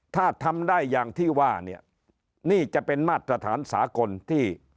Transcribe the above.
ถ้าทำได้อย่างที่ว่าเนี่ยนี่จะเป็นมาตรฐานสากลที่